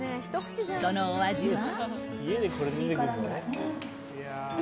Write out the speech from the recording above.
そのお味は。